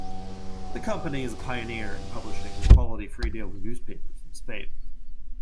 The company is a pioneer in publishing quality free daily newspapers in Spain.